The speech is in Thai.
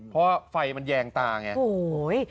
เพราะว่าไฟมันแยงตาไง